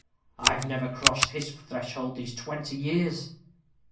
I've never crossed his threshold these twenty years.